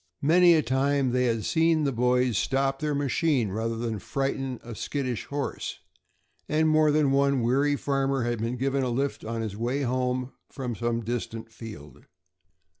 Many a time they had seen the boys stop their machine rather than frighten a skittish horse, and more than one weary farmer had been given a lift on his way home from some distant field.